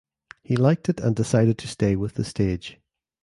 He liked it and decided to stay with the stage.